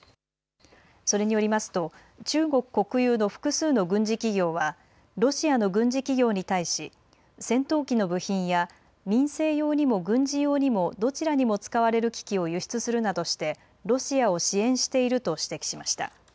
それによりますと中国国有の複数の軍事企業はロシアの軍事企業に対し戦闘機の部品や民生用にも軍事用にもどちらにも使われる機器を輸出するなどしてロシアを支援していると指摘しました。